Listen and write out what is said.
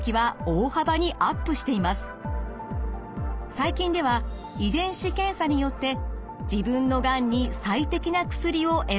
最近では遺伝子検査によって自分のがんに最適な薬を選ぶことができます。